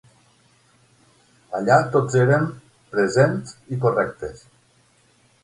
Allà tots eren, presents i correctes.